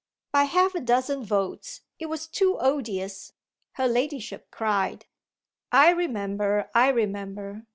"By half a dozen votes: it was too odious!" her ladyship cried. "I remember I remember.